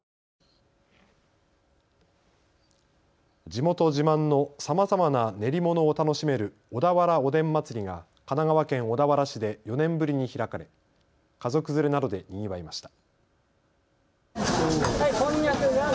地元自慢のさまざまな練り物を楽しめる小田原おでん祭りが神奈川県小田原市で４年ぶりに開かれ家族連れなどでにぎわいました。